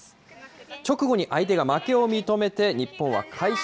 直後に相手が負けを認めて、日本は快勝。